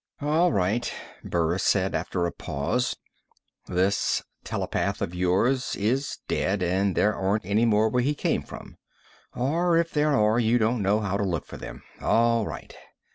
"All right," Burris said after a pause. "This telepath of yours is dead, and there aren't any more where he came from. Or if there are, you don't know how to look for them. All right.